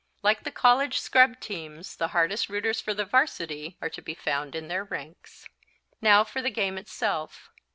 Like the college scrub teams the hardest rooters for the Varsity are to be found in their ranks. Now for the game itself.